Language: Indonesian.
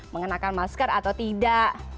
mengenakan masker atau tidak